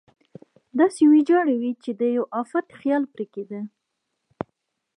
داسې ویجاړې وې چې د یوه افت خیال پرې کېده.